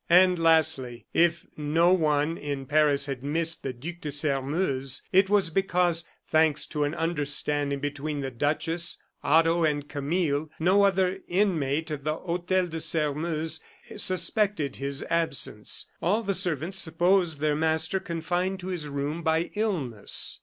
And lastly, if no one at Paris had missed the Duc de Sairmeuse, it was because thanks to an understanding between the duchess, Otto, and Camille no other inmate of the Hotel de Sairmeuse suspected his absence. All the servants supposed their master confined to his room by illness.